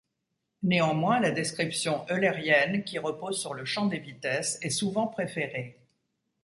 Néanmoins la description eulérienne qui repose sur le champ des vitesses est souvent préférée.